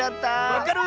わかる！